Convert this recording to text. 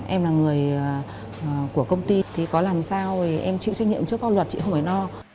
em là người của công ty thì có làm sao em chịu trách nhiệm trước pháp luật chị không phải no